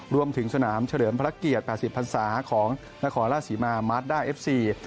รวมถึงสนามเฉลิมพระเกียรติ๘๐พันศาของนครราชศรีมามาร์ทด้าเอฟซี